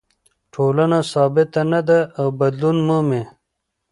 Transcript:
ټولنه ثابته نه ده او بدلون مومي.